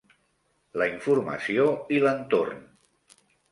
La informació i l'entorn